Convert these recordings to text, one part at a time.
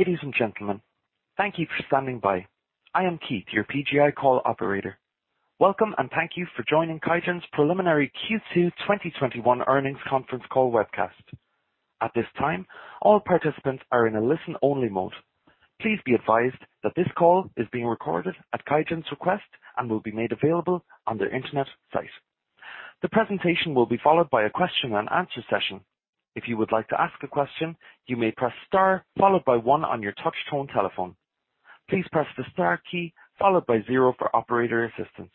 Ladies and gentlemen, thank you for standing by. I am Keith, your PGi Call Operator. Welcome and thank you for joining QIAGEN's preliminary Q2 2021 earnings conference call webcast. At this time, all participants are in a listen-only mode. Please be advised that this call is being recorded at QIAGEN's request and will be made available on their internet site. The presentation will be followed by a question-and-answer session. If you would like to ask a question, you may press star followed by one on your touch-tone telephone. Please press the star key followed by zero for operator assistance.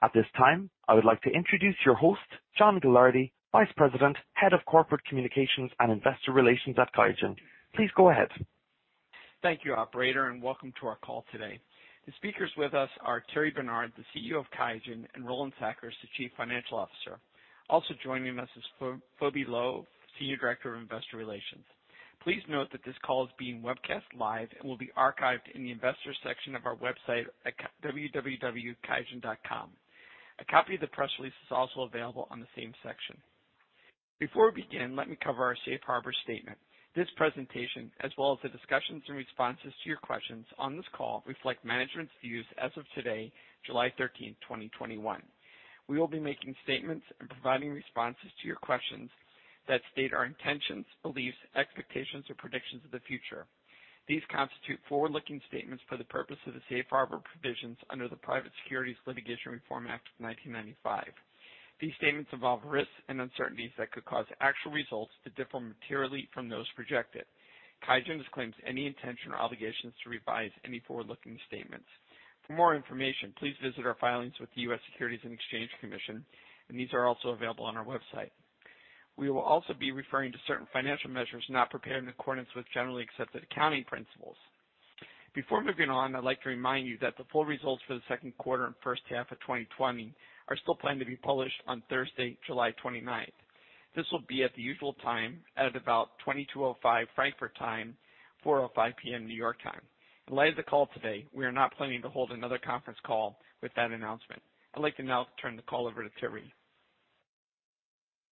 At this time, I would like to introduce your host, John Gilardi, Vice President, Head of Corporate Communications and Investor Relations at QIAGEN. Please go ahead. Thank you, Operator, and welcome to our call today. The speakers with us are Thierry Bernard, the CEO of QIAGEN, and Roland Sackers, the Chief Financial Officer. Also joining us is Phoebe Loh, Senior Director of Investor Relations. Please note that this call is being webcast live and will be archived in the investor section of our website at www.qiagen.com. A copy of the press release is also available in the same section. Before we begin, let me cover our Safe Harbor Statement. This presentation, as well as the discussions and responses to your questions on this call, reflect management's views as of today, July 13, 2021. We will be making statements and providing responses to your questions that state our intentions, beliefs, expectations, or predictions of the future. These constitute forward-looking statements for the purpose of the Safe Harbor provisions under the Private Securities Litigation Reform Act of 1995. These statements involve risks and uncertainties that could cause actual results to differ materially from those projected. QIAGEN disclaims any intention or obligations to revise any forward-looking statements. For more information, please visit our filings with the U.S. Securities and Exchange Commission, and these are also available on our website. We will also be referring to certain financial measures not prepared in accordance with generally accepted accounting principles. Before moving on, I'd like to remind you that the full results for the second quarter and first half of 2020 are still planned to be published on Thursday, July 29th. This will be at the usual time at about 22:05 Frankfurt time, 4:05 New York time. In light of the call today, we are not planning to hold another conference call with that announcement. I'd like to now turn the call over to Thierry.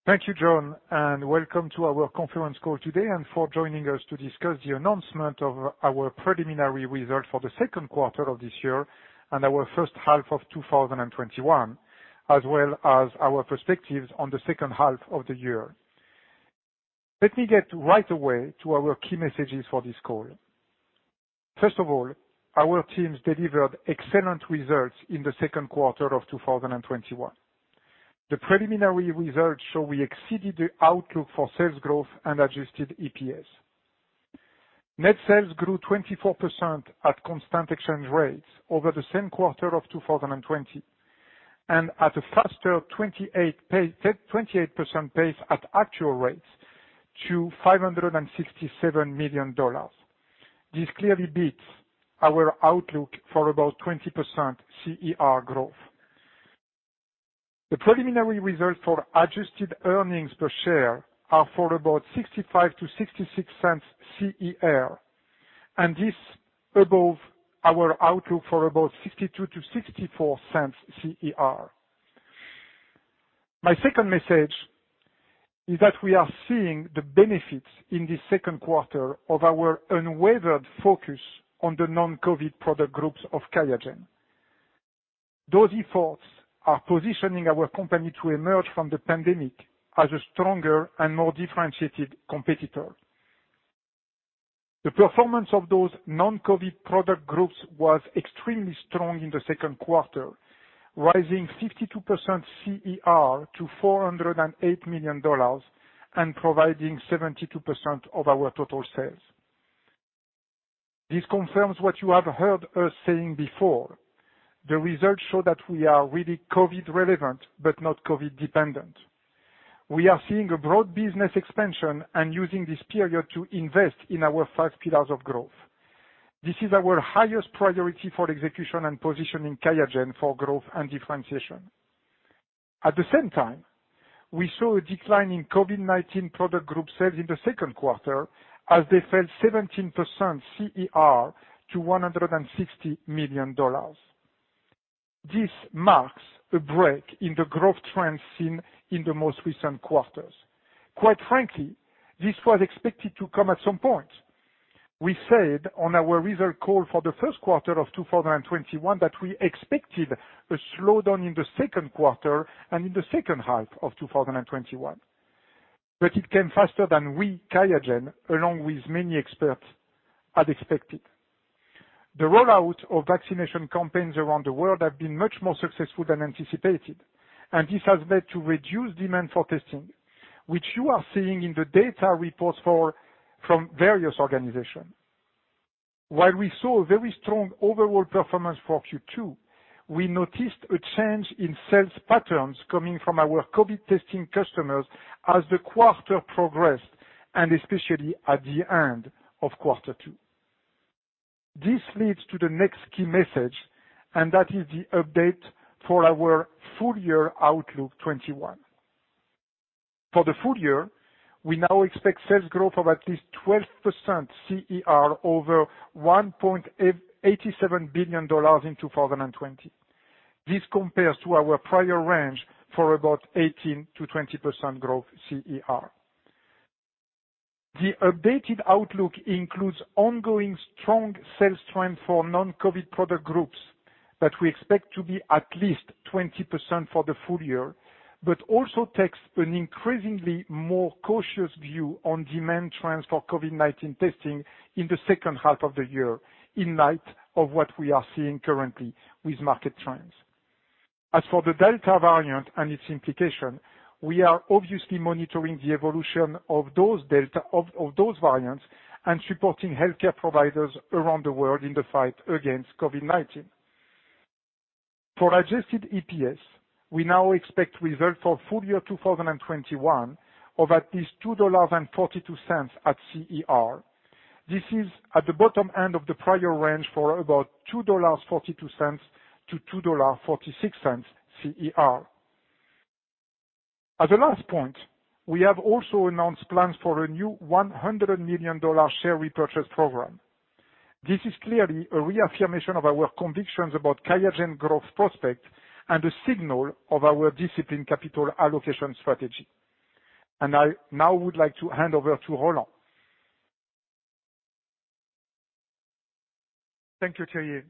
Thank you, John, and welcome to our conference call today and for joining us to discuss the announcement of our preliminary result for the second quarter of this year and our first half of 2021, as well as our perspectives on the second half of the year. Let me get right away to our key messages for this call. First of all, our teams delivered excellent results in the second quarter of 2021. The preliminary results show we exceeded the outlook for sales growth and adjusted EPS. Net sales grew 24% at constant exchange rates over the same quarter of 2020 and at a faster 28% pace at actual rates to $567 million. This clearly beats our outlook for about 20% CER growth. The preliminary results for adjusted earnings per share are for about $0.65-$0.66 CER, and this is above our outlook for about $0.62-$0.64 CER. My second message is that we are seeing the benefits in the second quarter of our unwavering focus on the non-COVID product groups of QIAGEN. Those efforts are positioning our company to emerge from the pandemic as a stronger and more differentiated competitor. The performance of those non-COVID product groups was extremely strong in the second quarter, rising 52% CER to $408 million and providing 72% of our total sales. This confirms what you have heard us saying before. The results show that we are really COVID-relevant but not COVID-dependent. We are seeing a broad business expansion and using this period to invest in our five pillars of growth. This is our highest priority for execution and positioning QIAGEN for growth and differentiation. At the same time, we saw a decline in COVID-19 product group sales in the second quarter as they fell 17% CER to $160 million. This marks a break in the growth trend seen in the most recent quarters. Quite frankly, this was expected to come at some point. We said on our recent call for the first quarter of 2021 that we expected a slowdown in the second quarter and in the second half of 2021, but it came faster than we QIAGEN, along with many experts, had expected. The rollout of vaccination campaigns around the world has been much more successful than anticipated, and this has led to reduced demand for testing, which you are seeing in the data reports from various organizations. While we saw a very strong overall performance for Q2, we noticed a change in sales patterns coming from our COVID testing customers as the quarter progressed, and especially at the end of quarter two. This leads to the next key message, and that is the update for our full-year outlook 2021. For the full year, we now expect sales growth of at least 12% CER over $1.87 billion in 2020. This compares to our prior range for about 18%-20% growth CER. The updated outlook includes ongoing strong sales trend for non-COVID product groups that we expect to be at least 20% for the full year, but also takes an increasingly more cautious view on demand trends for COVID-19 testing in the second half of the year in light of what we are seeing currently with market trends. As for the Delta variant and its implication, we are obviously monitoring the evolution of those variants and supporting healthcare providers around the world in the fight against COVID-19. For adjusted EPS, we now expect results for full year 2021 of at least $2.42 at CER. This is at the bottom end of the prior range for about $2.42-$2.46 CER. As a last point, we have also announced plans for a new $100 million share repurchase program. This is clearly a reaffirmation of our convictions about QIAGEN growth prospect and a signal of our disciplined capital allocation strategy, and I now would like to hand over to Roland. Thank you, Thierry,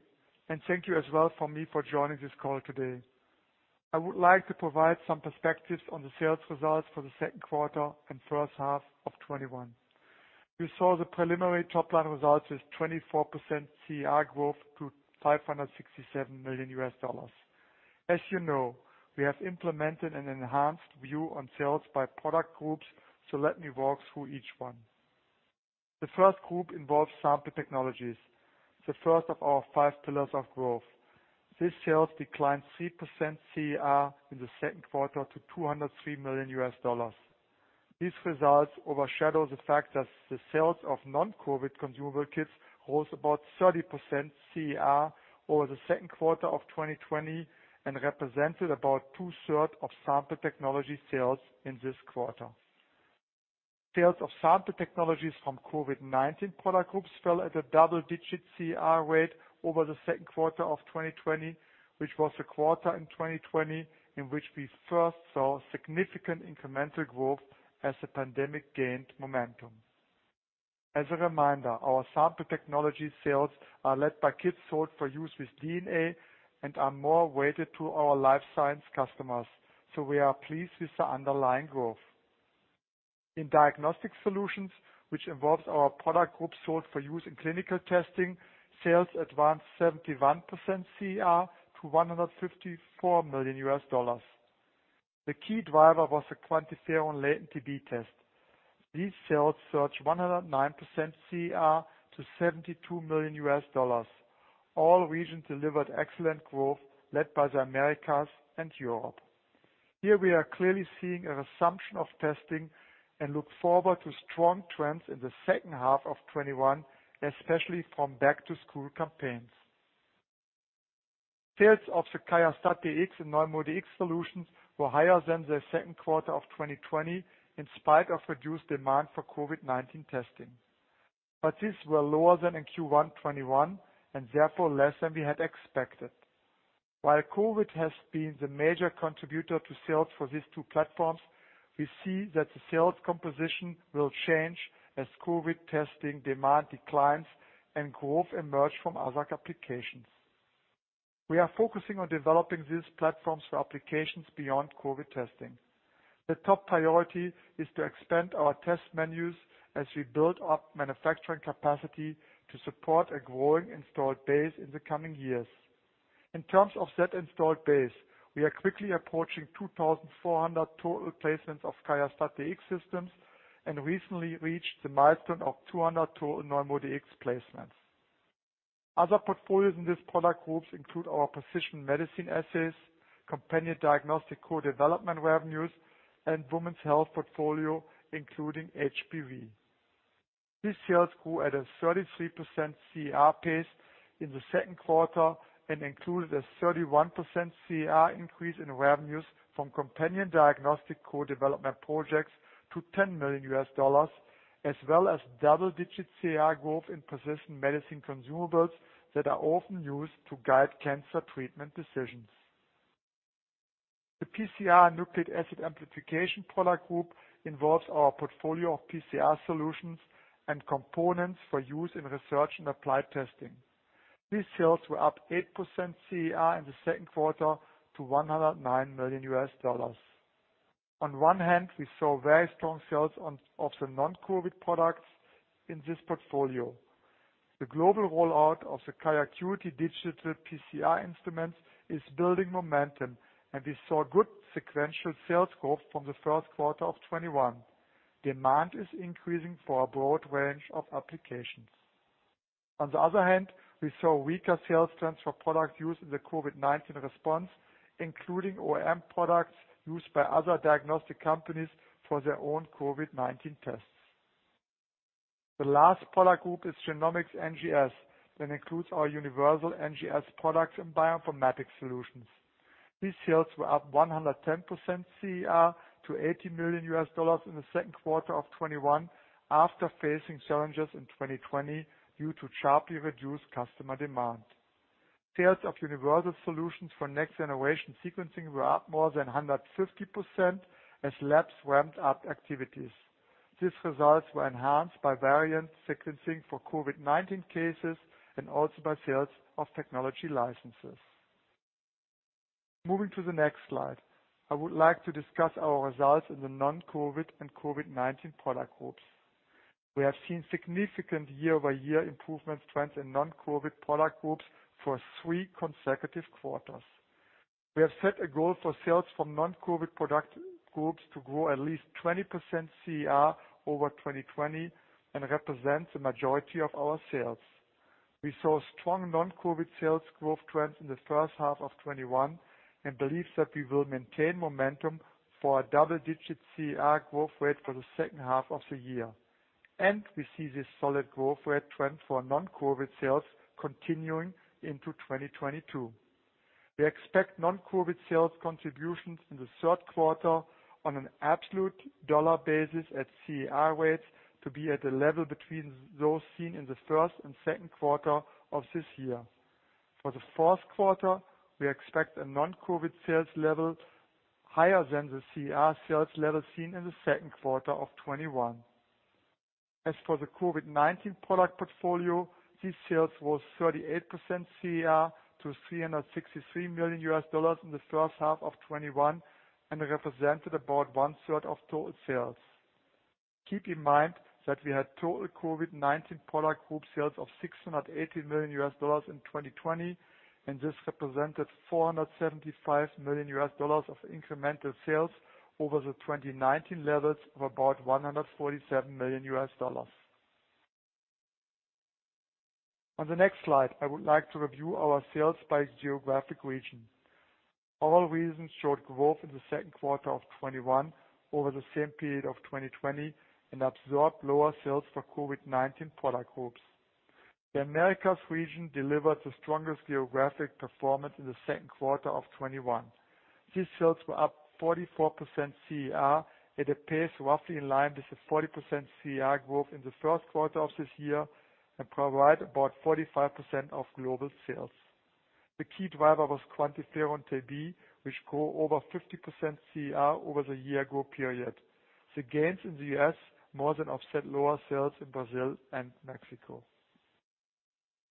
and thank you as well for joining this call today. I would like to provide some perspectives on the sales results for the second quarter and first half of 2021. We saw the preliminary top-line results with 24% CER growth to $567 million. As you know, we have implemented an enhanced view on sales by product groups, so let me walk through each one. The first group involves sample technologies, the first of our five pillars of growth. These sales declined 3% CER in the second quarter to $203 million. These results overshadow the fact that the sales of non-COVID consumable kits rose about 30% CER over the second quarter of 2020 and represented about two-thirds of sample technology sales in this quarter. Sales of sample technologies from COVID-19 product groups fell at a double-digit CER rate over the second quarter of 2020, which was the quarter in 2020 in which we first saw significant incremental growth as the pandemic gained momentum. As a reminder, our sample technology sales are led by kits sold for use with DNA and are more related to our life science customers, so we are pleased with the underlying growth. In diagnostic solutions, which involves our product groups sold for use in clinical testing, sales advanced 71% CER to $154 million. The key driver was the QuantiFERON latent TB test. These sales surged 109% CER to $72 million. All regions delivered excellent growth led by the Americas and Europe. Here we are clearly seeing a resumption of testing and look forward to strong trends in the second half of 2021, especially from back-to-school campaigns. Sales of the QIAstat-Dx and NeuMoDx solutions were higher than the second quarter of 2020 in spite of reduced demand for COVID-19 testing, but these were lower than in Q1 2021 and therefore less than we had expected. While COVID has been the major contributor to sales for these two platforms, we see that the sales composition will change as COVID testing demand declines and growth emerges from other applications. We are focusing on developing these platforms for applications beyond COVID testing. The top priority is to expand our test menus as we build up manufacturing capacity to support a growing installed base in the coming years. In terms of that installed base, we are quickly approaching 2,400 total placements of QIAstat-Dx systems and recently reached the milestone of 200 total NeuMoDx placements. Other portfolios in these product groups include our precision medicine assets, companion diagnostic co-development revenues, and women's health portfolio including HPV. These sales grew at a 33% CER pace in the second quarter and included a 31% CER increase in revenues from companion diagnostic co-development projects to $10 million, as well as double-digit CER growth in precision medicine consumables that are often used to guide cancer treatment decisions. The PCR nucleic acid amplification product group involves our portfolio of PCR solutions and components for use in research and applied testing. These sales were up 8% CER in the second quarter to $109 million. On one hand, we saw very strong sales of the non-COVID products in this portfolio. The global rollout of the QIAcuity digital PCR instruments is building momentum, and we saw good sequential sales growth from the first quarter of 2021. Demand is increasing for a broad range of applications. On the other hand, we saw weaker sales trends for products used in the COVID-19 response, including OEM products used by other diagnostic companies for their own COVID-19 tests. The last product group is genomics NGS that includes our universal NGS products and bioinformatics solutions. These sales were up 110% CER to $80 million in the second quarter of 2021 after facing challenges in 2020 due to sharply reduced customer demand. Sales of universal solutions for next-generation sequencing were up more than 150% as labs ramped up activities. These results were enhanced by variant sequencing for COVID-19 cases and also by sales of technology licenses. Moving to the next slide, I would like to discuss our results in the non-COVID and COVID-19 product groups. We have seen significant year-by-year improvement trends in non-COVID product groups for three consecutive quarters. We have set a goal for sales from non-COVID product groups to grow at least 20% CER over 2020 and represent the majority of our sales. We saw strong non-COVID sales growth trends in the first half of 2021 and believe that we will maintain momentum for a double-digit CER growth rate for the second half of the year, and we see this solid growth rate trend for non-COVID sales continuing into 2022. We expect non-COVID sales contributions in the third quarter on an absolute dollar basis at CER rates to be at the level between those seen in the first and second quarter of this year. For the fourth quarter, we expect a non-COVID sales level higher than the CER sales level seen in the second quarter of 2021. As for the COVID-19 product portfolio, these sales rose 38% CER to $363 million in the first half of 2021 and represented about one-third of total sales. Keep in mind that we had total COVID-19 product group sales of $680 million in 2020, and this represented $475 million of incremental sales over the 2019 levels of about $147 million. On the next slide, I would like to review our sales by geographic region. All regions showed growth in the second quarter of 2021 over the same period of 2020 and absorbed lower sales for COVID-19 product groups. The Americas region delivered the strongest geographic performance in the second quarter of 2021. These sales were up 44% CER at a pace roughly in line with the 40% CER growth in the first quarter of this year and provide about 45% of global sales. The key driver was QuantiFERON TB, which grew over 50% CER over the year-ago period. The gains in the U.S. more than offset lower sales in Brazil and Mexico.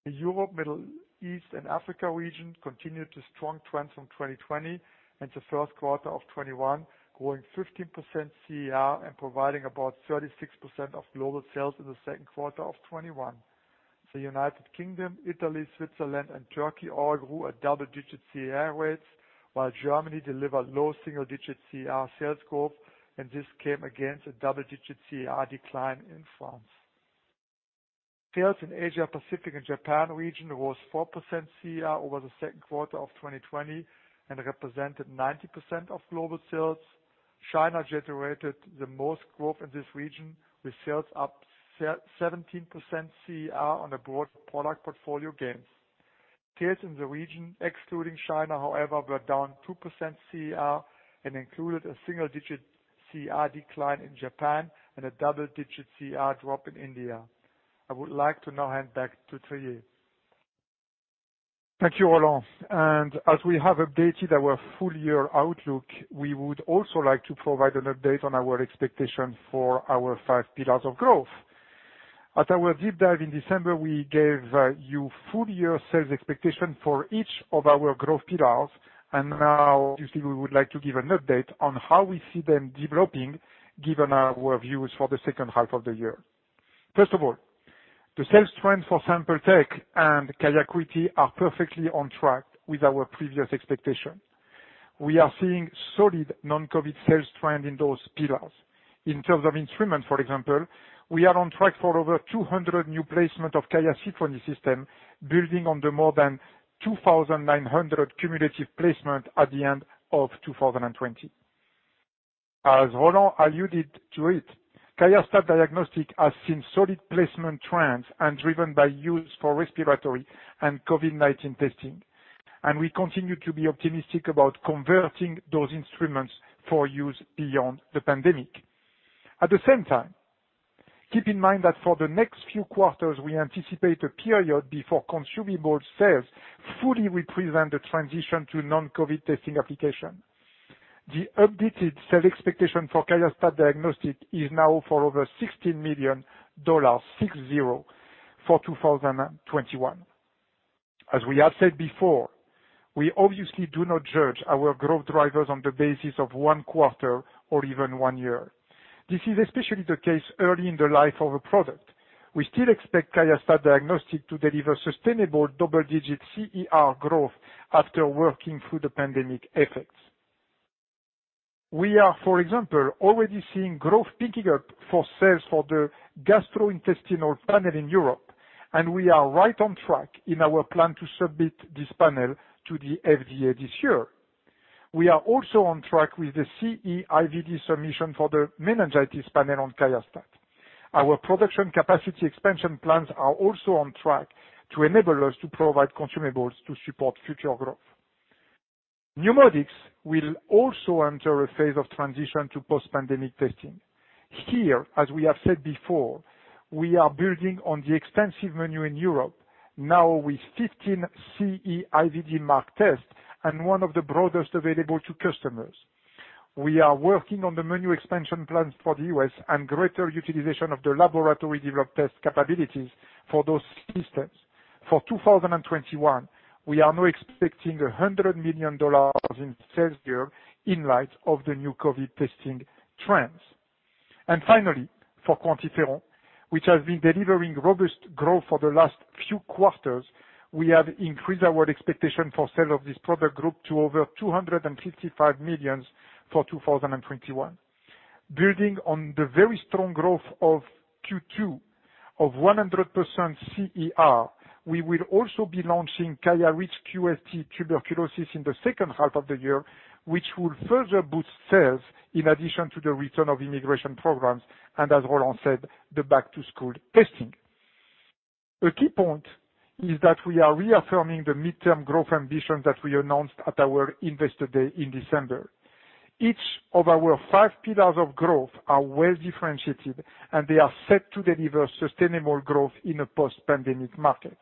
The Europe, Middle East, and Africa region continued the strong trends from 2020 and the first quarter of 2021, growing 15% CER and providing about 36% of global sales in the second quarter of 2021. The United Kingdom, Italy, Switzerland, and Turkey all grew at double-digit CER rates, while Germany delivered low single-digit CER sales growth, and this came against a double-digit CER decline in France. Sales in Asia-Pacific and Japan region rose 4% CER over the second quarter of 2020 and represented 90% of global sales. China generated the most growth in this region with sales up 17% CER on a broad product portfolio gain. Sales in the region, excluding China, however, were down 2% CER and included a single-digit CER decline in Japan and a double-digit CER drop in India. I would like to now hand back to Thierry. Thank you, Roland. As we have updated our full-year outlook, we would also like to provide an update on our expectations for our five pillars of growth. At our deep dive in December, we gave you full-year sales expectations for each of our growth pillars, and now we would like to give an update on how we see them developing given our views for the second half of the year. First of all, the sales trends for sample technologies and QIAcuity are perfectly on track with our previous expectations. We are seeing solid non-COVID sales trends in those pillars. In terms of instruments, for example, we are on track for over 200 new placements of QIAsymphony system, building on the more than 2,900 cumulative placements at the end of 2020. As Roland alluded to it, QIAstat-Dx has seen solid placement trends and driven by use for respiratory and COVID-19 testing, and we continue to be optimistic about converting those instruments for use beyond the pandemic. At the same time, keep in mind that for the next few quarters, we anticipate a period before consumables sales fully represent the transition to non-COVID testing application. The updated sales expectation for QIAstat-Dx is now for over $160 million for 2021. As we have said before, we obviously do not judge our growth drivers on the basis of one quarter or even one year. This is especially the case early in the life of a product. We still expect QIAstat-Dx to deliver sustainable double-digit CER growth after working through the pandemic effects. We are, for example, already seeing growth picking up for sales for the gastrointestinal panel in Europe, and we are right on track in our plan to submit this panel to the FDA this year. We are also on track with the CE-IVD submission for the meningitis panel on QIAstat. Our production capacity expansion plans are also on track to enable us to provide consumables to support future growth. NeuMoDx will also enter a phase of transition to post-pandemic testing. Here, as we have said before, we are building on the extensive menu in Europe, now with 15 CE-IVD marked tests and one of the broadest available to customers. We are working on the menu expansion plans for the US and greater utilization of the laboratory-developed test capabilities for those systems. For 2021, we are now expecting $100 million in sales this year in light of the new COVID testing trends. And finally, for QuantiFERON, which has been delivering robust growth for the last few quarters, we have increased our expectation for sales of this product group to over $255 million for 2021. Building on the very strong growth of Q2 of 100% CER, we will also be launching QIAreach QFT tuberculosis in the second half of the year, which will further boost sales in addition to the return of immigration programs and, as Roland said, the back-to-school testing. A key point is that we are reaffirming the midterm growth ambitions that we announced at our Investor Day in December. Each of our five pillars of growth are well differentiated, and they are set to deliver sustainable growth in a post-pandemic market.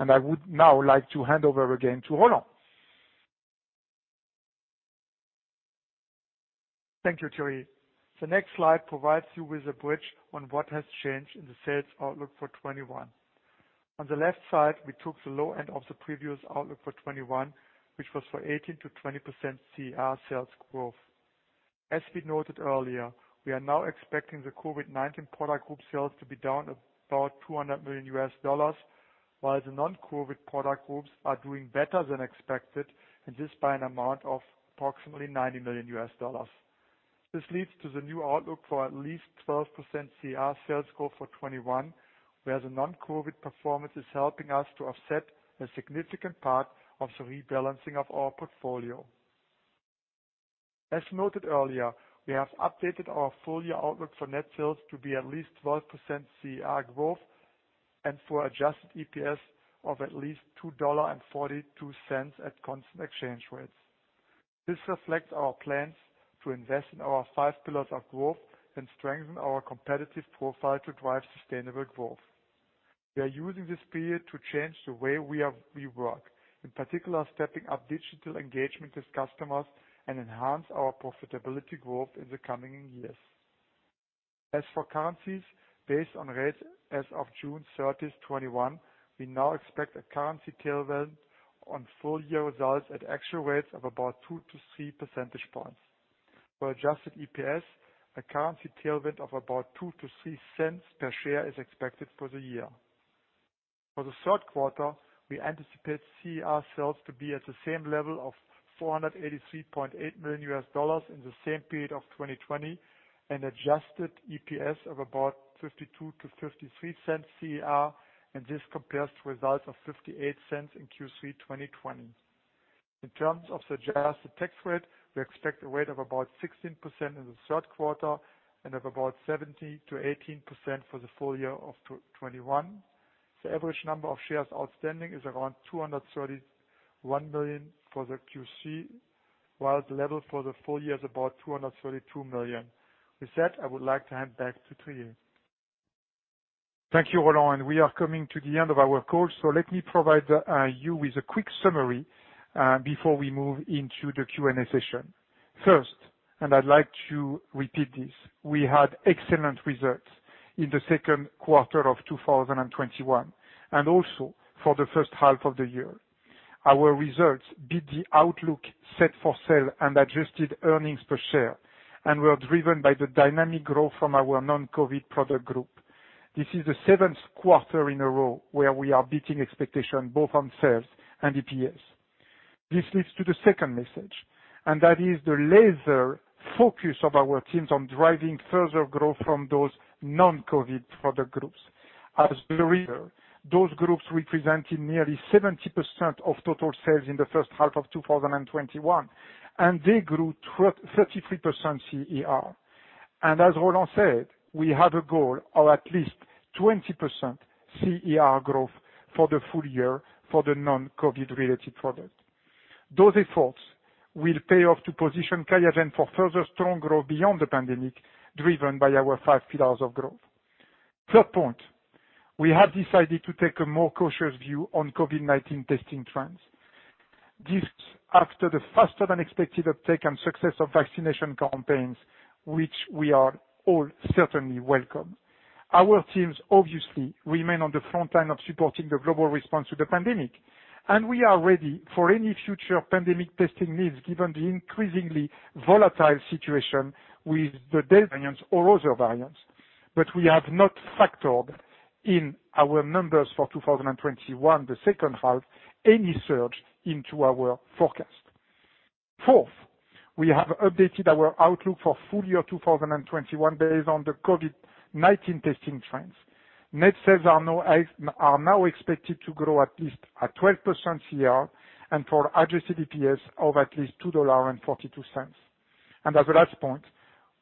I would now like to hand over again to Roland. Thank you, Thierry. The next slide provides you with a bridge on what has changed in the sales outlook for 2021. On the left side, we took the low end of the previous outlook for 2021, which was for 18%-20% CER sales growth. As we noted earlier, we are now expecting the COVID-19 product group sales to be down about $200 million, while the non-COVID product groups are doing better than expected, and this by an amount of appro`ximately $90 million. This leads to the new outlook for at least 12% CER sales growth for 2021, where the non-COVID performance is helping us to offset a significant part of the rebalancing of our portfolio. As noted earlier, we have updated our full-year outlook for net sales to be at least 12% CER growth and for adjusted EPS of at least $2.42 at constant exchange rates. This reflects our plans to invest in our five pillars of growth and strengthen our competitive profile to drive sustainable growth. We are using this period to change the way we work, in particular stepping up digital engagement with customers and enhance our profitability growth in the coming years. As for currencies, based on rates as of June 30, 2021, we now expect a currency tailwind on full-year results at actual rates of about 2%-3% percentage points. For adjusted EPS, a currency tailwind of about 2%-3% per share is expected for the year. For the third quarter, we anticipate CER sales to be at the same level of $483.8 million in the same period of 2020 and adjusted EPS of about 52%-53% CER, and this compares to results of 58% in Q3 2020. In terms of the adjusted tax rate, we expect a rate of about 16% in the third quarter and of about 17%-18% for the full year of 2021. The average number of shares outstanding is around 231 million for the Q3, while the level for the full year is about 232 million. With that, I would like to hand back to Thierry. Thank you, Roland. We are coming to the end of our call, so let me provide you with a quick summary before we move into the Q&A session. First, and I'd like to repeat this, we had excellent results in the second quarter of 2021 and also for the first half of the year. Our results beat the outlook set for sales and adjusted earnings per share and were driven by the dynamic growth from our non-COVID product group. This is the seventh quarter in a row where we are beating expectations both on sales and EPS. This leads to the second message, and that is the laser focus of our teams on driving further growth from those non-COVID product groups. As Thierry said, those groups represented nearly 70% of total sales in the first half of 2021, and they grew 33% CER. And as Roland said, we have a goal of at least 20% CER growth for the full year for the non-COVID-related product. Those efforts will pay off to position QIAGEN for further strong growth beyond the pandemic driven by our five pillars of growth. Third point, we have decided to take a more cautious view on COVID-19 testing trends. This is after the faster-than-expected uptake and success of vaccination campaigns, which we are all certainly welcome. Our teams obviously remain on the front line of supporting the global response to the pandemic, and we are ready for any future pandemic testing needs given the increasingly volatile situation with the Delta variants or other variants, but we have not factored in our numbers for 2021, the second half, any surge into our forecast. Fourth, we have updated our outlook for full year 2021 based on the COVID-19 testing trends. Net sales are now expected to grow at least at 12% CER and for adjusted EPS of at least $2.42. As a last point,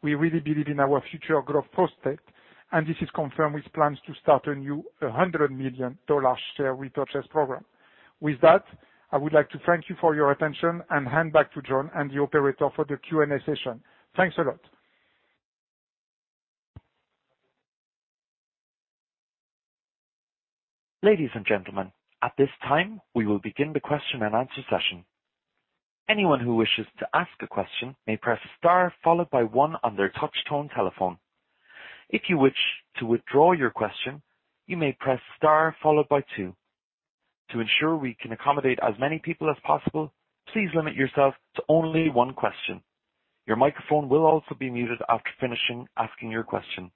we really believe in our future growth prospect, and this is confirmed with plans to start a new $100 million share repurchase program. With that, I would like to thank you for your attention and hand back to John and the operator for the Q&A session. Thanks a lot. Ladies and gentlemen, at this time, we will begin the question and answer session. Anyone who wishes to ask a question may press star followed by one on their touch-tone telephone. If you wish to withdraw your question, you may press star followed by two. To ensure we can accommodate as many people as possible, please limit yourself to only one question. Your microphone will also be muted after finishing asking your question.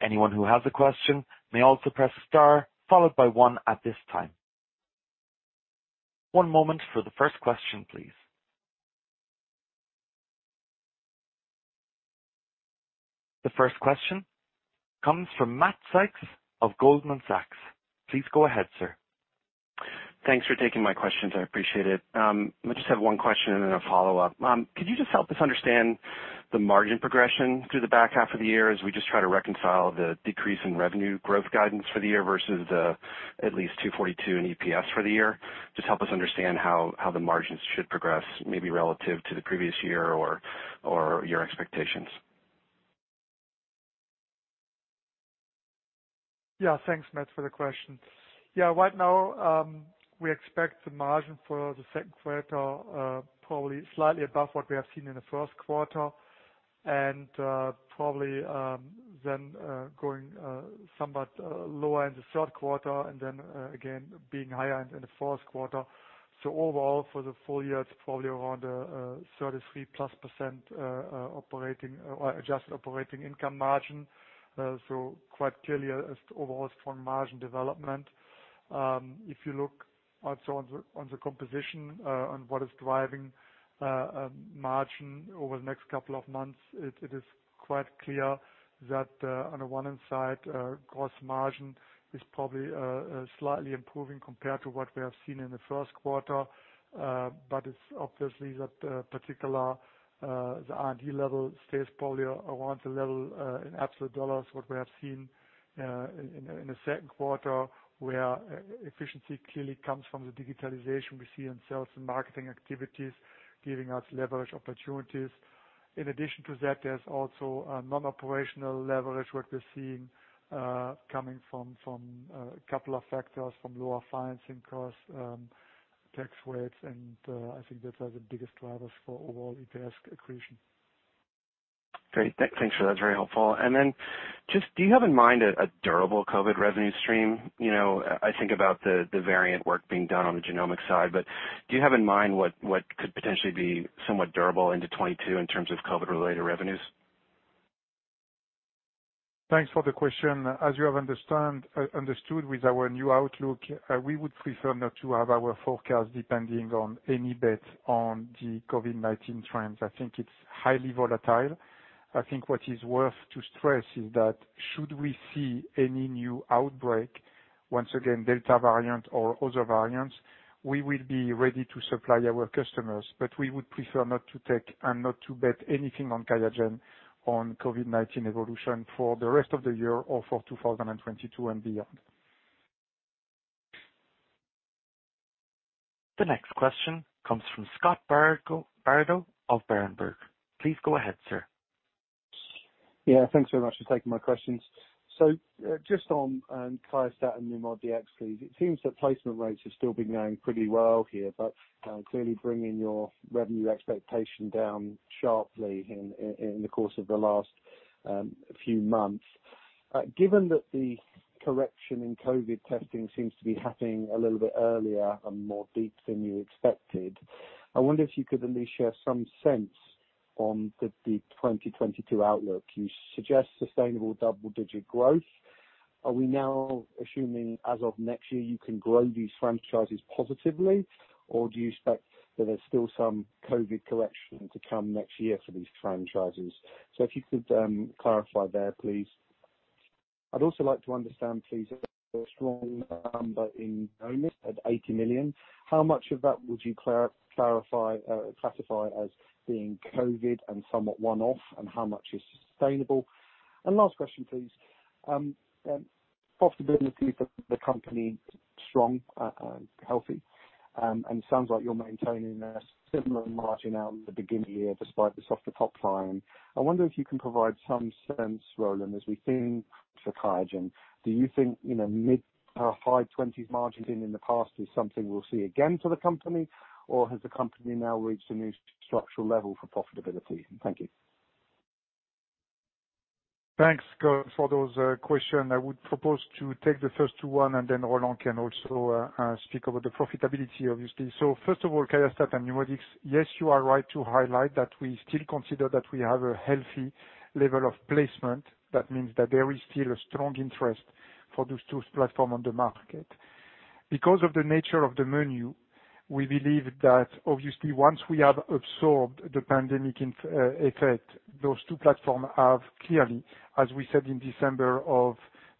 Anyone who has a question may also press star followed by one at this time. One moment for the first question, please. The first question comes from Matt Sykes of Goldman Sachs. Please go ahead, sir. Thanks for taking my question. I appreciate it. I just have one question and then a follow-up. Could you just help us understand the margin progression through the back half of the year as we just try to reconcile the decrease in revenue growth guidance for the year versus the at least $2.42 in EPS for the year? Just help us understand how the margins should progress, maybe relative to the previous year or your expectations. Yeah, thanks, Matt, for the question. Yeah, right now, we expect the margin for the second quarter probably slightly above what we have seen in the first quarter and probably then going somewhat lower in the third quarter and then again being higher in the fourth quarter. So overall, for the full year, it's probably around 33-plus% operating or adjusted operating income margin, so quite clearly, overall strong margin development. If you look also on the composition and what is driving margin over the next couple of months, it is quite clear that on the one hand side, gross margin is probably slightly improving compared to what we have seen in the first quarter, but it's obvious that particularly the R&D level stays probably around the level in absolute dollars what we have seen in the second quarter where efficiency clearly comes from the digitalization we see in sales and marketing activities giving us leverage opportunities. In addition to that, there's also non-operational leverage that we're seeing coming from a couple of factors from lower financing costs, tax rates, and I think that's the biggest drivers for overall EPS accretion. Great. Thanks, sir. That's very helpful. And then just do you have in mind a durable COVID revenue stream? I think about the variant work being done on the genomic side, but do you have in mind what could potentially be somewhat durable into 2022 in terms of COVID-related revenues? Thanks for the question. As you have understood with our new outlook, we would prefer not to have our forecast depending on any bet on the COVID-19 trends. I think it's highly volatile. I think what is worth to stress is that should we see any new outbreak, once again, Delta variant or other variants, we will be ready to supply our customers, but we would prefer not to take and not to bet anything on QIAGEN on COVID-19 evolution for the` rest of the year or for 2022 and beyond. The next question comes from Scott Bardo of Berenberg. Please go ahead, sir. Yeah, thanks very much for taking my questions. So just on QIAstat and NeuMoDx, please. It seems that placement rates have still been going pretty well here, but clearly bringing your revenue expectation down sharply in the course of the last few months. Given that the correction in COVID testing seems to be happening a little bit earlier and more deep than you expected, I wonder if you could at least share some sense on the 2022 outlook. You suggest sustainable double-digit growth. Are we now assuming as of next year you can grow these franchises positively, or do you expect that there's still some COVID correction to come next year for these franchises? So if you could clarify there, please. I'd also like to understand, please, a strong number in NeuMoDx at $80 million. How much of that would you classify as being COVID and somewhat one-off, and how much is sustainable? And last question, please. Profitability for the company. Strong, healthy, and it sounds like you're maintaining a similar margin outlook in the beginning of the year despite the softer top line. I wonder if you can provide some sense, Roland, as we think for QIAGEN. Do you think mid- or high-20s margins in the past is something we'll see again for the company, or has the company now reached a new structural level for profitability? Thank you. Thanks for those questions. I would propose to take the first one, and then Roland can also speak about the profitability, obviously. So first of all, QIAstat and NeuMoDx, yes, you are right to highlight that we still consider that we have a healthy level of placement. That means that there is still a strong interest for those two platforms on the market. Because of the nature of the menu, we believe that obviously once we have absorbed the pandemic effect, those two platforms have clearly, as we said in December of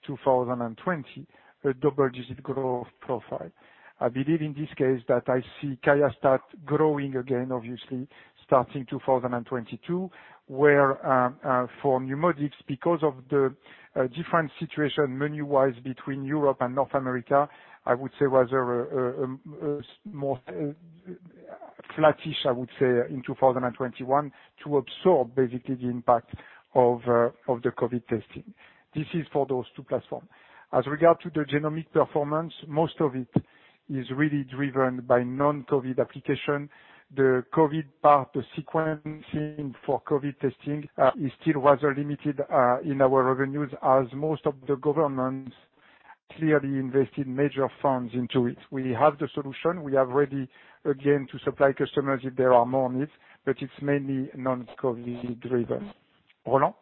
2020, a double-digit growth profile. I believe in this case that I see QIAstat growing again, obviously, starting 2022, where for NeuMoDx, because of the different situation menu-wise between Europe and North America, I would say was more flattish, I would say, in 2021 to absorb basically the impact of the COVID testing. This is for those two platforms. As regards to the Genomics performance, most of it is really driven by non-COVID applications. The COVID part, the sequencing for COVID testing, is still rather limited in our revenues as most of the governments clearly invested major funds into it. We have the solution. We are ready again to supply customers if there are more needs, but it's mainly non-COVID-driven. Roland?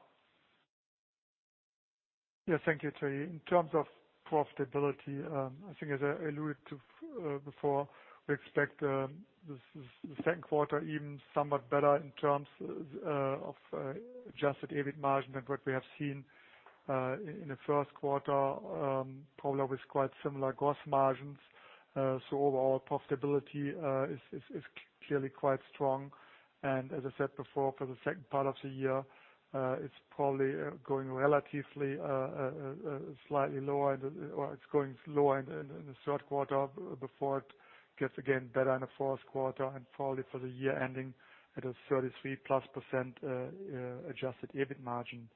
Yeah, thank you, Thierry. In terms of profitability, I think as I alluded to before, we expect the second quarter even somewhat better in terms of adjusted EBIT margin than what we have seen in the first quarter, probably with quite similar gross margins. So overall, profitability is clearly quite strong. And as I said before, for the second part of the year, it's probably going relatively slightly lower, or it's going lower in the third quarter before it gets again better in the fourth quarter, and probably for the year ending at a 33% adjusted EBIT margin.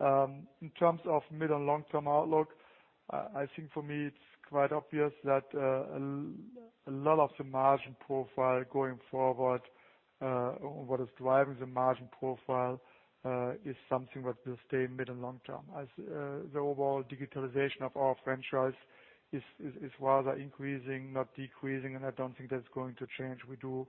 In terms of mid- and long-term outlook, I think for me it's quite obvious that a lot of the margin profile going forward, what is driving the margin profile, is something that will stay mid- and long-term. The overall digitalization of our franchise is rather increasing, not decreasing, and I don't think that's going to change. We do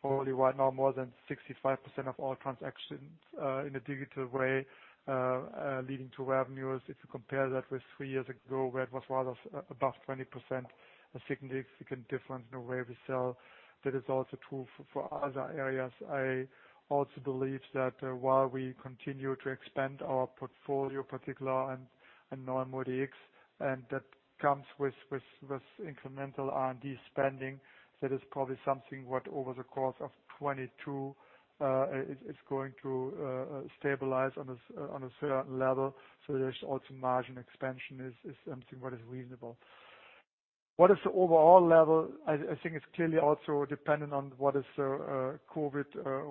probably right now more than 65% of our transactions in a digital way, leading to revenues. If you compare that with three years ago, where it was rather above 20%, a significant difference in the way we sell. That is also true for other areas. I also believe that while we continue to expand our portfolio, particularly in NeuMoDx, and that comes with incremental R&D spending, that is probably something that over the course of 2022 is going to stabilize on a certain level. So, there's also margin expansion, something what is reasonable. What is the overall level? I think it's clearly also dependent on what is the COVID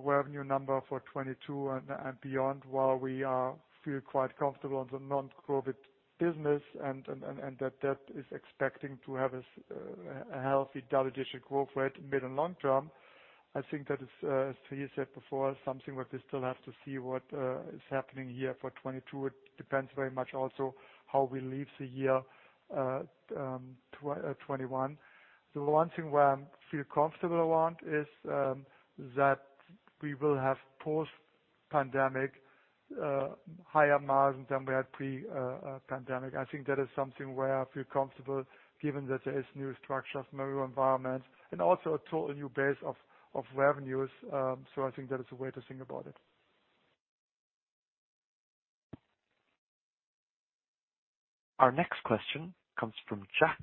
revenue number for 2022 and beyond, while we feel quite comfortable on the non-COVID business and that that is expecting to have a healthy double-digit growth rate mid and long-term. I think that is, as Thierry said before, something what we still have to see what is happening here for 2022. It depends very much also how we leave the year 2021. The one thing where I feel comfortable around is that we will have post-pandemic higher margins than we had pre-pandemic. I think that is something where I feel comfortable given that there is new structure of our new environment and also a total new base of revenues. So, I think that is a way to think about it. Our next question comes from Jack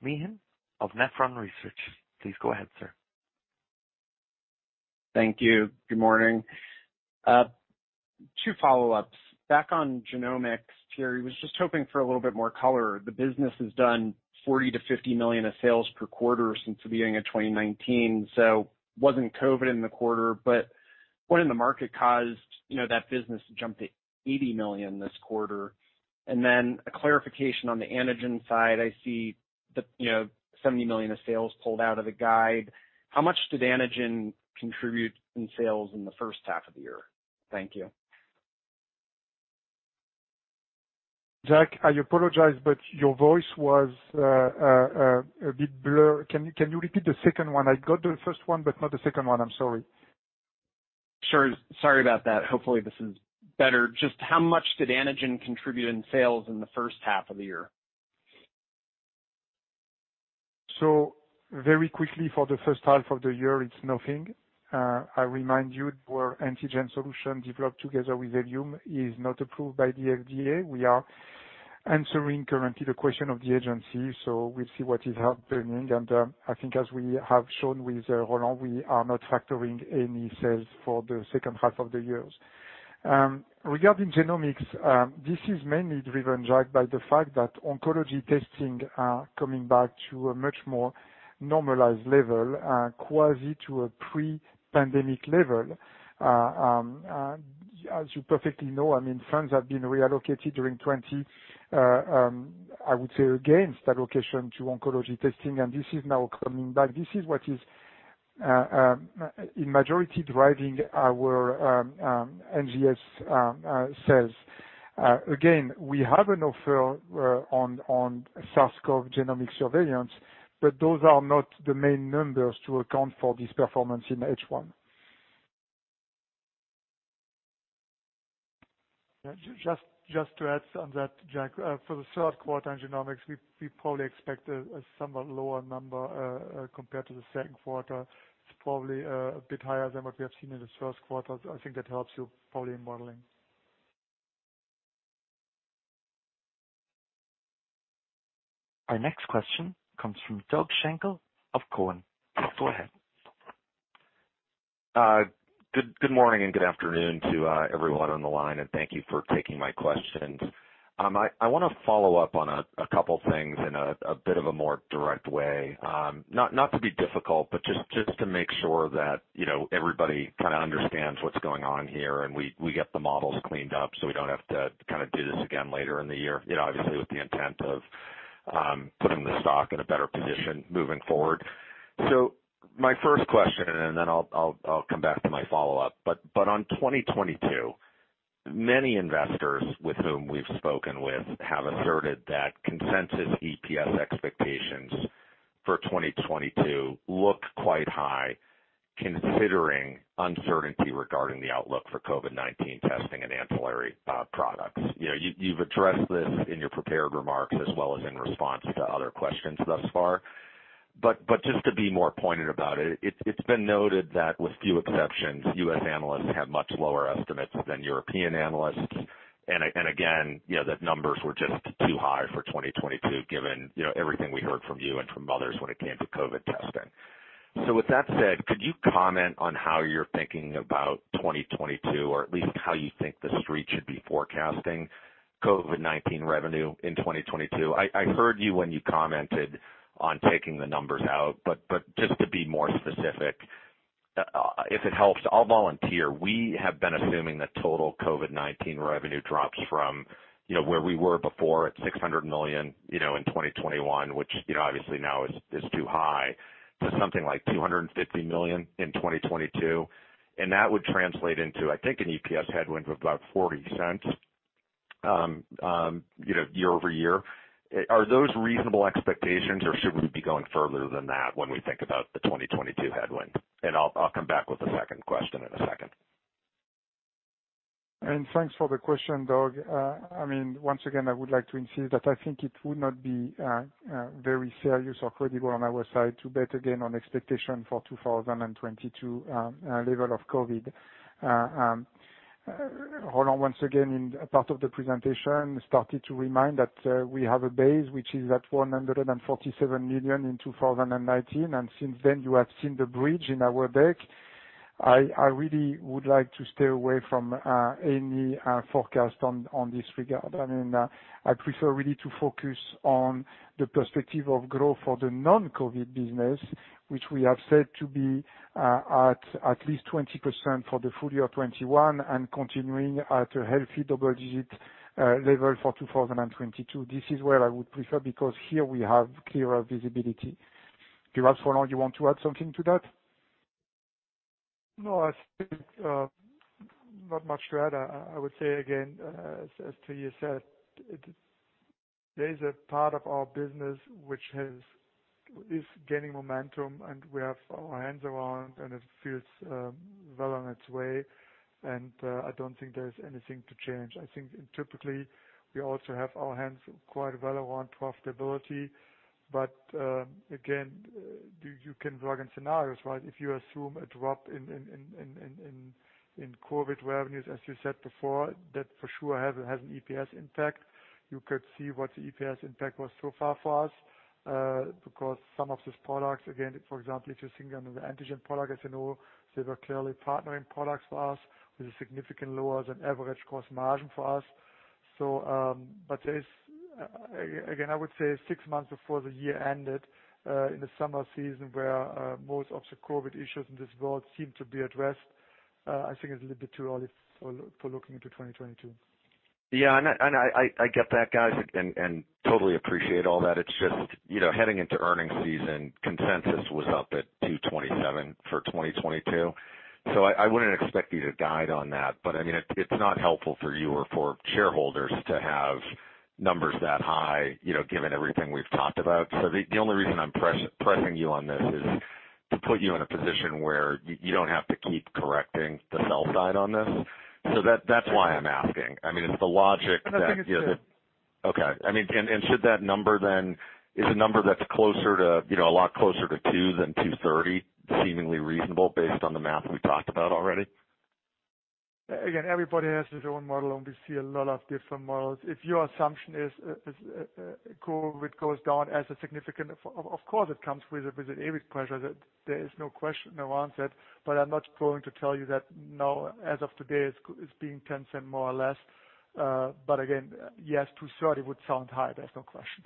Meehan of Nephron Research. Please go ahead, sir. Thank you. Good morning. Two follow-ups. Back on genomics, Thierry, was just hoping for a little bit more color. The business has done $40 million-$50 million of sales per quarter since the beginning of 2019. So wasn't COVID in the quarter, but when the market caused that business to jump to $80 million this quarter. And then a clarification on the antigen side, I see $70 million of sales pulled out of the guide. How much did antigen contribute in sales in the first half of the year? Thank you. Jack, I apologize, but your voice was a bit blurred. Can you repeat the second one? I got the first one, but not the second one. I'm sorry. Sure. Sorry about that. Hopefully, this is better. Just how much did antigen contribute in sales in the first half of the year? So very quickly, for the first half of the year, it's nothing. I remind you where antigen solution developed together with Ellume is not approved by the FDA. We are answering currently the question of the agency, so we'll see what is happening. And I think as we have shown with Roland, we are not factoring any sales for the second half of the year. Regarding genomics, this is mainly driven by the fact that oncology testing coming back to a much more normalized level, quasi to a pre-pandemic level. As you perfectly know, I mean, funds have been reallocated during 2020, I would say against allocation to oncology testing, and this is now coming back. This is what is in majority driving our NGS sales. Again, we have an offer on SARS-CoV genomic surveillance, but those are not the main numbers to account for this performance in H1. Just to add on that, Jack, for the third quarter in genomics, we probably expect a somewhat lower number compared to the second quarter. It's probably a bit higher than what we have seen in the first quarter. I think that helps you probably in modeling. Our next question comes from Doug Schenkel of Cowen. Please go ahead. Good morning and good afternoon to everyone on the line, and thank you for taking my questions. I want to follow up on a couple of things in a bit of a more direct way. Not to be difficult, but just to make sure that everybody kind of understands what's going on here and we get the models cleaned up so we don't have to kind of do this again later in the year, obviously with the intent of putting the stock in a better position moving forward. So my first question, and then I'll come back to my follow-up, but on 2022, many investors with whom we've spoken with have asserted that consensus EPS expectations for 2022 look quite high considering uncertainty regarding the outlook for COVID-19 testing and ancillary products. You've addressed this in your prepared remarks as well as in response to other questions thus far. But just to be more pointed about it, it's been noted that with few exceptions, U.S. analysts have much lower estimates than European analysts. And again, those numbers were just too high for 2022 given everything we heard from you and from others when it came to COVID testing. So with that said, could you comment on how you're thinking about 2022, or at least how you think the street should be forecasting COVID-19 revenue in 2022? I heard you when you commented on taking the numbers out, but just to be more specific, if it helps, I'll volunteer. We have been assuming that total COVID-19 revenue drops from where we were before at $600 million in 2021, which obviously now is too high, to something like $250 million in 2022. And that would translate into, I think, an EPS headwind of about $0.40 year over year. Are those reasonable expectations, or should we be going further than that when we think about the 2022 headwind? I'll come back with a second question in a second. Thanks for the question, Doug. I mean, once again, I would like to insist that I think it would not be very serious or credible on our side to bet again on expectation for 2022 level of COVID. Roland, once again, in part of the presentation, started to remind that we have a base, which is at $147 million in 2019, and since then you have seen the bridge in our deck. I really would like to stay away from any forecast in this regard. I mean, I prefer really to focus on the perspective of growth for the non-COVID business, which we have said to be at least 20% for the full year 2021 and continuing at a healthy double-digit level for 2022. This is where I would prefer because here we have clearer visibility. Perhaps, Roland, you want to add something to that? No, I think not much to add. I would say again, as Thierry said, there is a part of our business which is gaining momentum, and we have our hands around, and it feels well on its way. And I don't think there's anything to change. I think typically we also have our hands quite well around profitability. But again, you can plug in scenarios, right? If you assume a drop in COVID revenues, as you said before, that for sure has an EPS impact. You could see what the EPS impact was so far for us because some of these products, again, for example, if you think about the antigen product, as you know, they were clearly partnering products for us with a significantly lower than average gross margin for us. But again, I would say six months before the year ended in the summer season where most of the COVID issues in this world seem to be addressed. I think it's a little bit too early for looking into 2022. Yeah, and I get that, guys, and totally appreciate all that. It's just heading into earnings season. Consensus was up at 227 for 2022. So I wouldn't expect you to guide on that. But I mean, it's not helpful for you or for shareholders to have numbers that high given everything we've talked about. So the only reason I'm pressing you on this is to put you in a position where you don't have to keep correcting the sell-side on this. So that's why I'm asking. I mean, it's the logic that. I think it's good. Okay. I mean, and should that number then is a number that's closer to a lot closer to 2 than 230, seemingly reasonable based on the math we talked about already? Again, everybody has their own model, and we see a lot of different models. If your assumption is COVID goes down as a significant of course, it comes with an EBIT pressure. There is no question around that. But I'm not going to tell you that now, as of today, it's being $0.10 more or less. But again, yes, 230 would sound high. There's no question.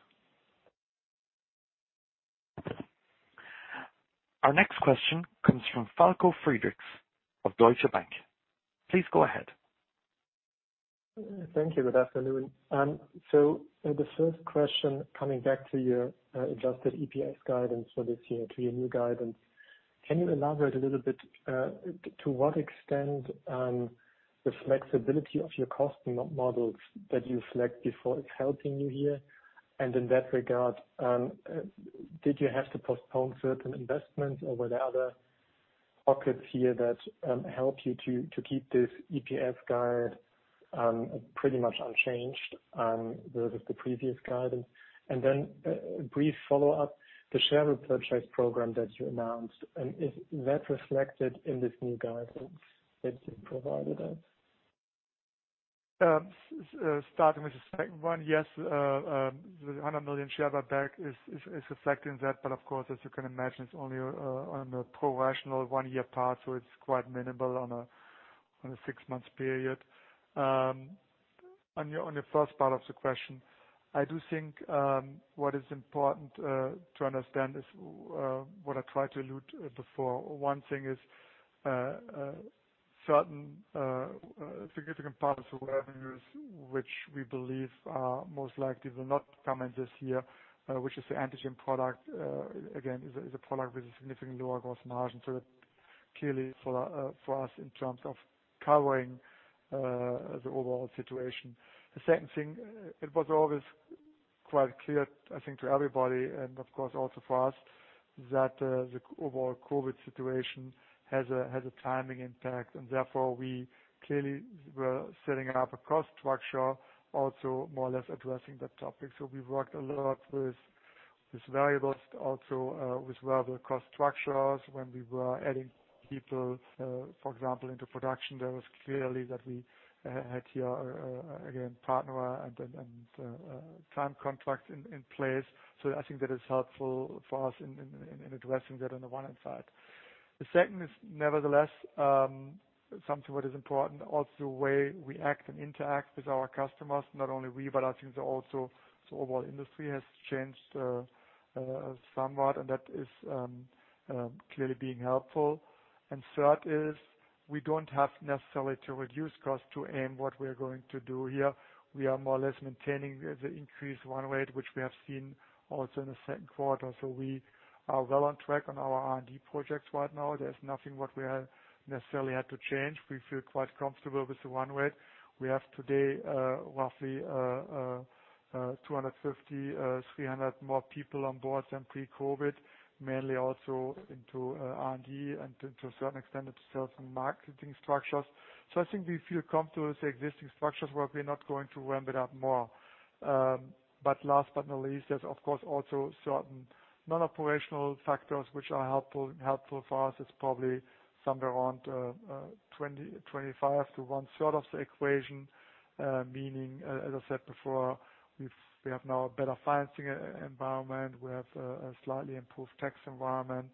Our next question comes from Falko Friedrichs of Deutsche Bank. Please go ahead. Thank you. Good afternoon. So the first question coming back to your Adjusted EPS guidance for this year, to your new guidance, can you elaborate a little bit to what extent the flexibility of your cost models that you selected before is helping you here? And in that regard, did you have to postpone certain investments, or were there other pockets here that help you to keep this EPS guide pretty much unchanged versus the previous guidance? And then a brief follow-up, the share repurchase program that you announced, is that reflected in this new guidance that you provided us? Starting with the second one, yes, the $100 million share buyback is reflecting that. But of course, as you can imagine, it's only on a pro rata one-year path, so it's quite minimal on a six-month period. On the first part of the question, I do think what is important to understand is what I tried to allude before. One thing is certain significant parts of revenues, which we believe are most likely will not come in this year, which is the antigen product, again, is a product with a significantly lower gross margin. So that clearly for us in terms of covering the overall situation. The second thing, it was always quite clear, I think, to everybody, and of course also for us, that the overall COVID situation has a timing impact, and therefore, we clearly were setting up a cost structure, also more or less addressing that topic, so we worked a lot with variables, also with variable cost structures when we were adding people, for example, into production. There was clearly that we had here, again, permanent and temporary contracts in place. I think that is helpful for us in addressing that on the one hand side. The second is, nevertheless, something what is important, also the way we act and interact with our customers, not only we, but I think also the overall industry has changed somewhat, and that is clearly being helpful. Third is, we don't have necessarily to reduce cost to aim what we are going to do here. We are more or less maintaining the increase one way, which we have seen also in the second quarter. We are well on track on our R&D projects right now. There's nothing what we necessarily had to change. We feel quite comfortable with the one way. We have today roughly 250-300 more people on board than pre-COVID, mainly also into R&D and to a certain extent into sales and marketing structures. So I think we feel comfortable with the existing structures where we're not going to ramp it up more. But last but not least, there's of course also certain non-operational factors which are helpful for us. It's probably somewhere around 25 to one third of the equation, meaning, as I said before, we have now a better financing environment. We have a slightly improved tax environment.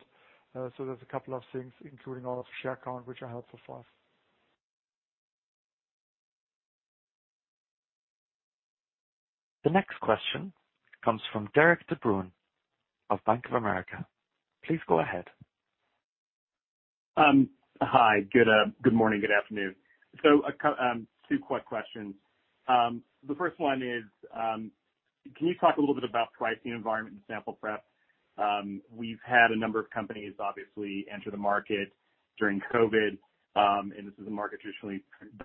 So there's a couple of things, including all of the share count, which are helpful for us. `The next question comes from Derik De Bruin of Bank of America. Please go ahead. Hi. Good morning. Good afternoon. So two quick questions. The first one is, can you talk a little bit about pricing environment and sample prep? We've had a number of companies obviously enter the market during COVID, and this is a market traditionally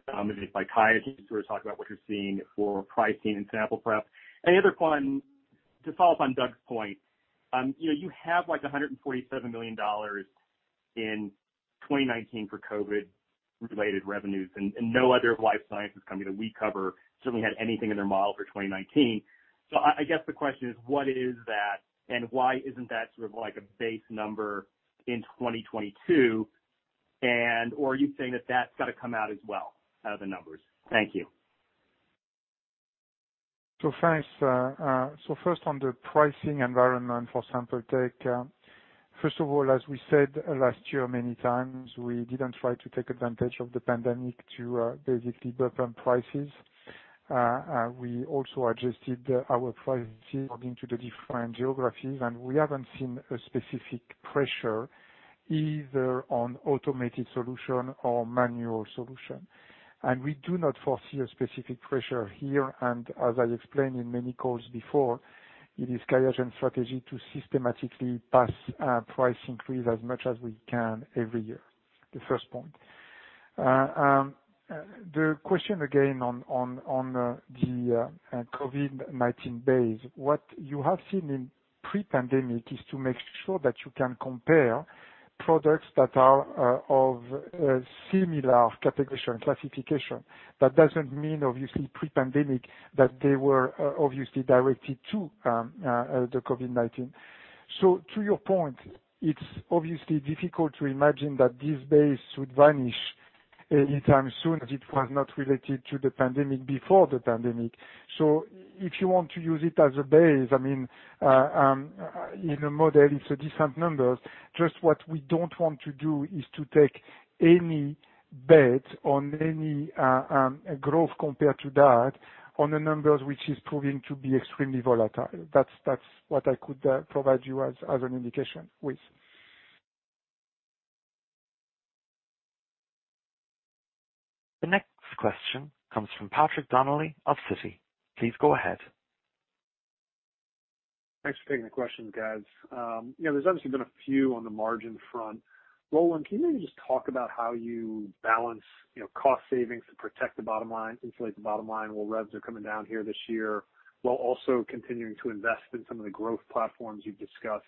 dominated by QIAGEN, who are talking about what you're seeing for pricing and sample prep, and the other one, to follow up on Doug's point, you have like $147 million in 2019 for COVID-related revenues, and no other life sciences company that we cover certainly had anything in their model for 2019, so I guess the question is, what is that, and why isn't that sort of like a base number in 2022? And are you saying that that's got to come out as well out of the numbers? Thank you. So, thanks. So, first, on the pricing environment for sample tech, first of all, as we said last year many times, we didn't try to take advantage of the pandemic to basically raise prices. We also adjusted our prices according to the different geographies, and we haven't seen a specific pressure either on automated solution or manual solution. And we do not foresee a specific pressure here. And as I explained in many calls before, it is our key strategy to systematically pass price increase as much as we can every year. The first point. The question again on the COVID-19 base, what you have seen in pre-pandemic is to make sure that you can compare products that are of similar category and classification. That doesn't mean, obviously, pre-pandemic that they were obviously directed to the COVID-19. So to your point, it's obviously difficult to imagine that this base would vanish anytime soon as it was not related to the pandemic before the pandemic. So if you want to use it as a base, I mean, in a model, it's a decent number. Just what we don't want to do is to take any bet on any growth compared to that on a number which is proving to be extremely volatile. That's what I could provide you as an indication with. The next question comes from Patrick Donnelly of Citi. Please go ahead. Thanks for taking the question, guys. There's obviously been a few on the margin front. Roland, can you maybe just talk about how you balance cost savings to protect the bottom line, insulate the bottom line while reps are coming down here this year, while also continuing to invest in some of the growth platforms you've discussed?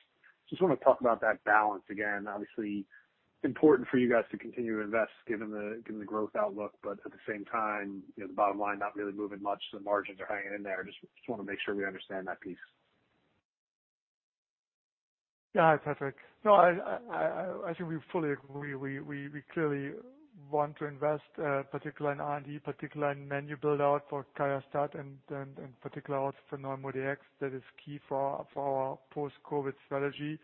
Just want to talk about that balance again. Obviously, important for you guys to continue to invest given the growth outlook, but at the same time, the bottom line not really moving much, the margins are hanging in there. Just want to make sure we understand that piece. Yeah, Patrick. No, I think we fully agree. We clearly want to invest, particularly in R&D, particularly in menu build-out for QIAstat and particularly also for NeuMoDx. That is key for our post-COVID strategy,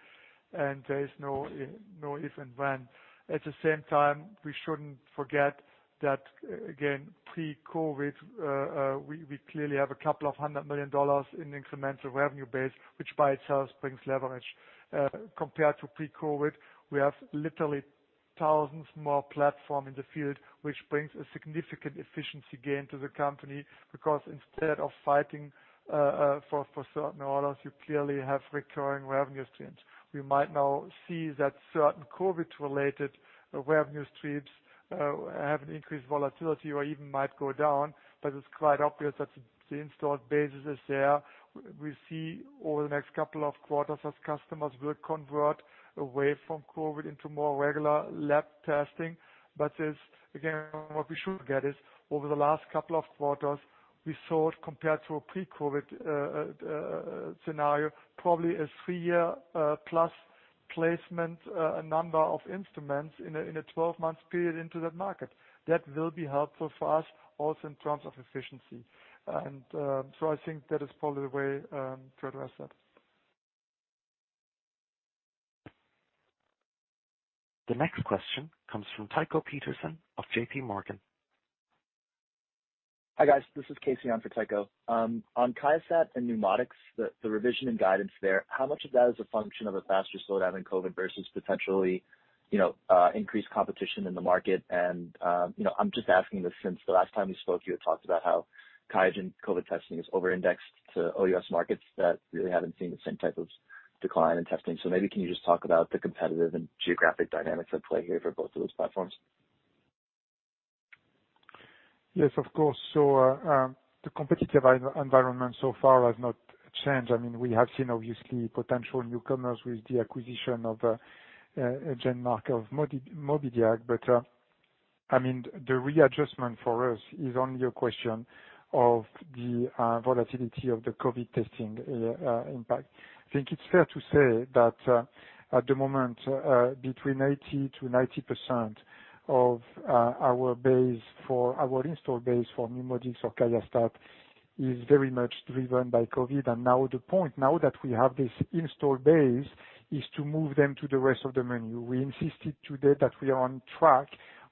and there is no if and when. At the same time, we shouldn't forget that, again, pre-COVID, we clearly have $200 million in incremental revenue base, which by itself brings leverage. Compared to pre-COVID, we have literally thousands more platforms in the field, which brings a significant efficiency gain to the company because instead of fighting for certain orders, you clearly have recurring revenue streams. We might now see that certain COVID-related revenue streams have an increased volatility or even might go down, but it's quite obvious that the installed base is there. We see over the next couple of quarters as customers will convert away from COVID into more regular lab testing. But again, what we should get is over the last couple of quarters, we saw it compared to a pre-COVID scenario, probably a three-year plus placement number of instruments in a 12-month period into that market. That will be helpful for us also in terms of efficiency. And so I think that is probably the way to address that. The next question comes from Tycho Peterson of J.P. Morgan. Hi, guys. This is Casey on for Tycho. On QIAstat and NeuMoDx, the revision and guidance there, how much of that is a function of a faster slowdown in COVID versus potentially increased competition in the market? I'm just asking this since the last time we spoke, you had talked about how QuantiFERON and COVID testing is over-indexed to OUS markets that really haven't seen the same type of decline in testing. So maybe can you just talk about the competitive and geographic dynamics at play here for both of those platforms? Yes, of course. So the competitive environment so far has not changed. I mean, we have seen obviously potential newcomers with the acquisition of GenMark and Mobidiag, but I mean, the readjustment for us is only a question of the volatility of the COVID testing impact. I think it's fair to say that at the moment, between 80% to 90% of our installed base for NeuMoDx or QIAstat-Dx is very much driven by COVID. And now the point, now that we have this installed base, is to move them to the rest of the menu. We indicated today that we are on track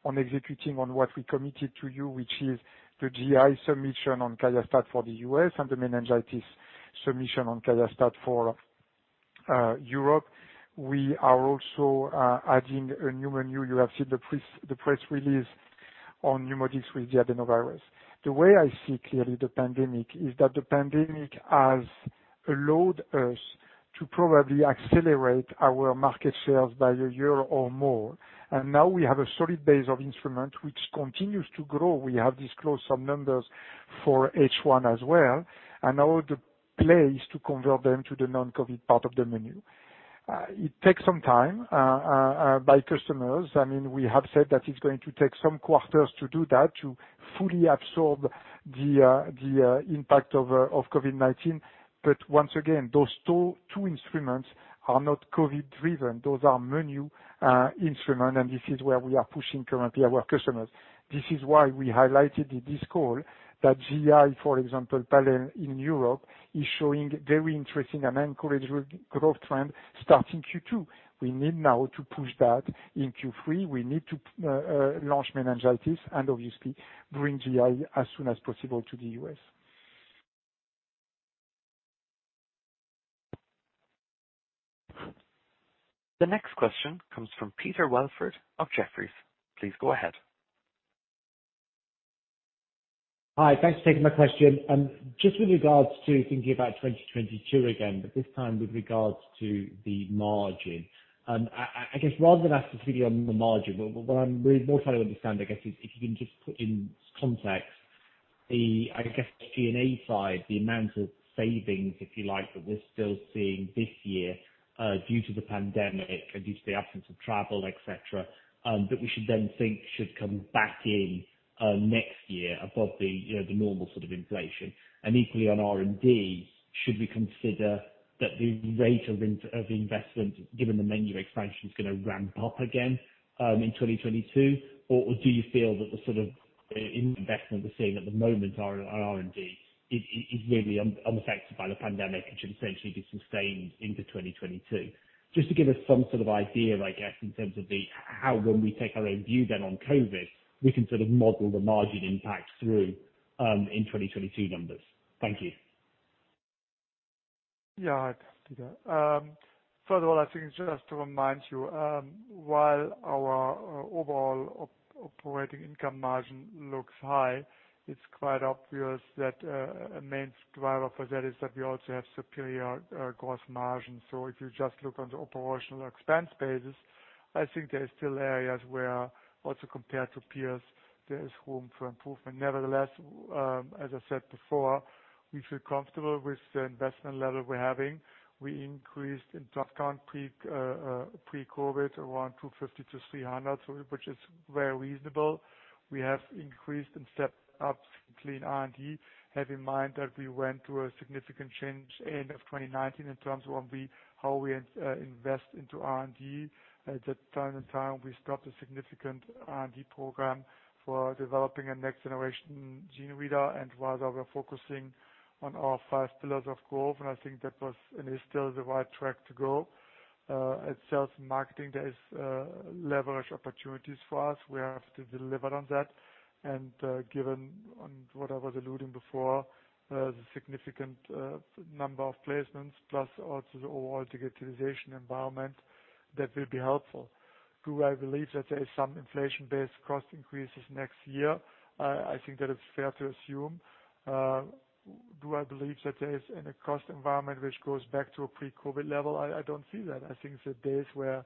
on executing on what we committed to you, which is the GI submission on QIAstat for the U.S. and the Meningitis submission on QIAstat for Europe. We are also adding a new menu. You have seen the press release on NeuMoDx with the adenovirus. The way I see clearly the pandemic is that the pandemic has allowed us to probably accelerate our market shares by a year or more. And now we have a solid base of instruments which continues to grow. We have disclosed some numbers for H1 as well. And now the plan to convert them to the non-COVID part of the menu. It takes some time for customers. I mean, we have said that it's going to take some quarters to do that, to fully absorb the impact of COVID-19. But once again, those two instruments are not COVID-driven. Those are menu instruments, and this is where we are pushing currently our customers. This is why we highlighted in this call that GI, for example, panel in Europe is showing very interesting and encouraging growth trend starting Q2. We need now to push that in Q3. We need to launch Meningitis and obviously bring GI as soon as possible to the U.S. The next question comes from Peter Welford of Jefferies. Please go ahead. Hi. Thanks for taking my question. Just with regards to thinking about 2022 again, but this time with regards to the margin. I guess rather than ask specifically on the margin, what I'm more trying to understand, I guess, is if you can just put in context, I guess G&A side, the amount of savings, if you like, that we're still seeing this year due to the pandemic and due to the absence of travel, etc., that we should then think should come back in next year above the normal sort of inflation? And equally on R&D, should we consider that the rate of investment, given the menu expansion, is going to ramp up again in 2022? Or do you feel that the sort of investment we're seeing at the moment on R&D is really unaffected by the pandemic, which should essentially be sustained into 2022? Just to give us some sort of idea, I guess, in terms of how, when we take our own view then on COVID, we can sort of model the margin impact through in 2022 numbers. Thank you. Yeah. Furthermore, I think just to remind you, while our overall operating income margin looks high, it's quite obvious that a main driver for that is that we also have superior gross margins. So if you just look on the operational expense basis, I think there are still areas where, also compared to peers, there is room for improvement. Nevertheless, as I said before, we feel comfortable with the investment level we're having. We increased in headcount pre-COVID around 250-300, which is very reasonable. We have increased and stepped up our R&D. Keep in mind that we went through a significant change at the end of 2019 in terms of how we invest into R&D. At that time, we stopped a significant R&D program for developing a next-generation GeneReader, and rather we're focusing on our five pillars of growth. And I think that was and is still the right track to go. At sales and marketing, there are leverage opportunities for us. We have to deliver on that. And given what I was alluding to before, the significant number of placements, plus also the overall digitalization environment, that will be helpful. Do I believe that there is some inflation-based cost increases next year? I think that it's fair to assume. Do I believe that there is a cost environment which goes back to a pre-COVID level? I don't see that. I think the days where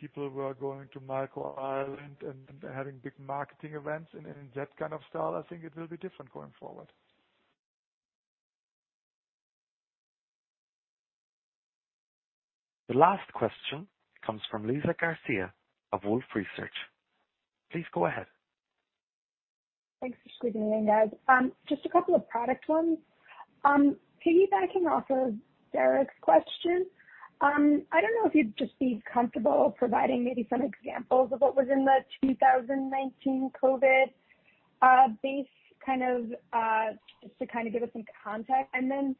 people were going to Marco Island and having big marketing events and that kind of style, I think it will be different going forward. The last question comes from Liza Garcia of Wolfe Research. Please go ahead. Thanks for squeezing in, guys. Just a couple of product ones. Piggybacking off of Derik's question, I don't know if you'd just be comfortable providing maybe some examples of what was in the 2019 pre-COVID base kind of just to kind of give us some context. And then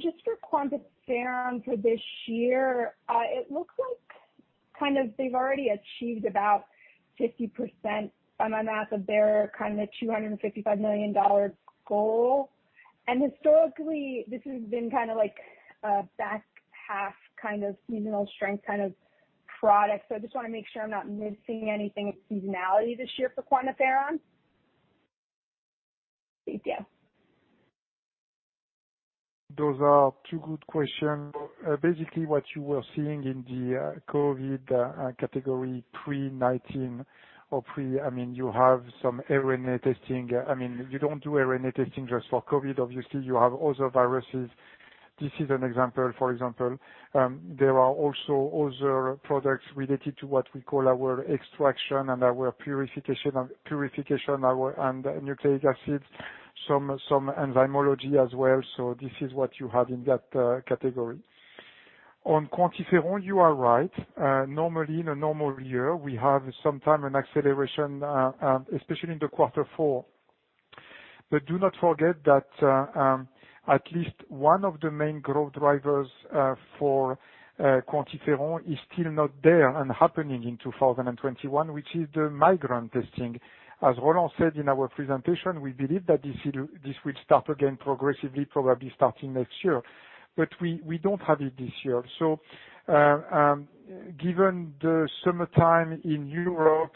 just for QuantiFERON for this year, it looks like kind of they've already achieved about 50% of their kind of $255 million goal. And historically, this has been kind of like a back half kind of seasonal strength kind of product. So I just want to make sure I'm not missing anything in seasonality this year for QuantiFERON. Thank you. Those are two good questions. Basically, what you were seeing in the COVID category pre-COVID-19 or pre, I mean, you have some RNA testing. I mean, you don't do RNA testing just for COVID. Obviously, you have other viruses. This is an example, for example. There are also other products related to what we call our extraction and our purification and nucleic acids, some enzymology as well. So this is what you have in that category. On QuantiFERON, you are right. Normally, in a normal year, we have sometime an acceleration, especially in the quarter four. But do not forget that at least one of the main growth drivers for QuantiFERON is still not there and happening in 2021, which is the migrant testing. As Roland said in our presentation, we believe that this will start again progressively, probably starting next year. But we don't have it this year. So given the summertime in Europe,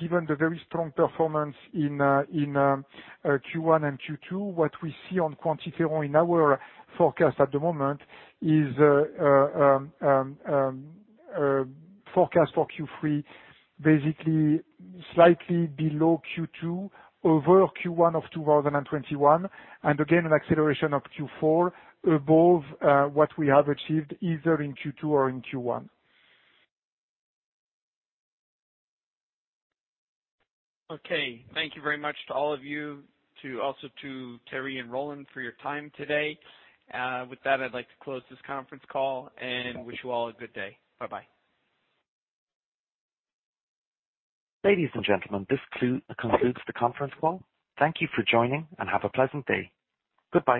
given the very strong performance in Q1 and Q2, what we see on QuantiFERON in our forecast at the moment is forecast for Q3, basically slightly below Q2, over Q1 of 2021, and again, an acceleration of Q4 above what we have achieved either in Q2 or in Q1. Okay. Thank you very much to all of you, also to Thierry and Roland, for your time today. With that, I'd like to close this conference call and wish you all a good day. Bye-bye. Ladies and gentlemen, this concludes the conference call. Thank you for joining and have a pleasant day. Goodbye.